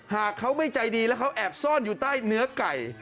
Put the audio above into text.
หากเขาไม่ใจดีแล้วเขาแอบซ่อนอยู่ใต้เนื้อไก่